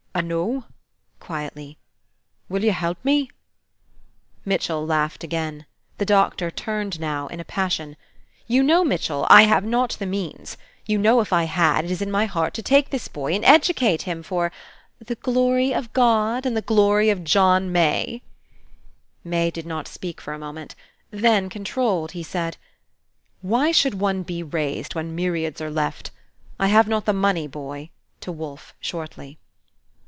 "I know," quietly. "Will you help me?" Mitchell laughed again. The Doctor turned now, in a passion, "You know, Mitchell, I have not the means. You know, if I had, it is in my heart to take this boy and educate him for" "The glory of God, and the glory of John May." May did not speak for a moment; then, controlled, he said, "Why should one be raised, when myriads are left? I have not the money, boy," to Wolfe, shortly.